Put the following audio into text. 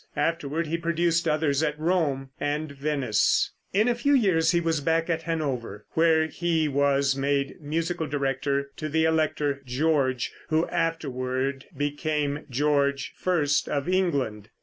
Afterward he produced others at Rome and Venice. In a few years he was back at Hanover, where he was made musical director to the Elector George, who afterward became George I of England.